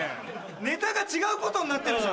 ネタが違うことになってるじゃん。